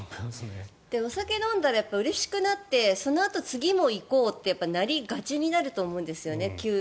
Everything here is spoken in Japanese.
お酒を飲んだらうれしくなってその次も行こうとなりがちになると思うんですね。